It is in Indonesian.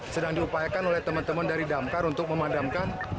sedang diupayakan oleh teman teman dari damkar untuk memadamkan